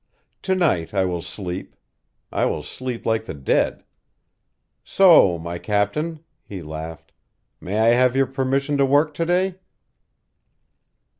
To night I will sleep. I will sleep like the dead. So, My Captain," he laughed, "may I have your permission to work to day?"